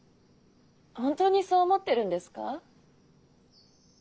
本当にそう思ってるんですか？